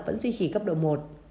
vẫn duy trì cấp độ một